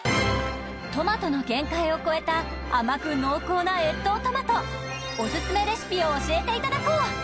トマトの限界を超えた甘く濃厚な越冬トマトを教えていただこう